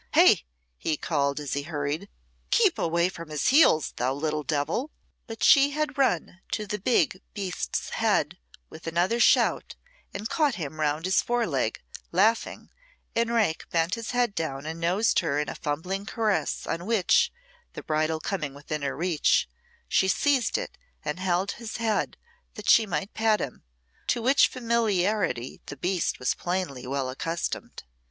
"Hey!" he called, as he hurried. "Keep away from his heels, thou little devil." But she had run to the big beast's head with another shout, and caught him round his foreleg, laughing, and Rake bent his head down and nosed her in a fumbling caress, on which, the bridle coming within her reach, she seized it and held his head that she might pat him, to which familiarity the beast was plainly well accustomed.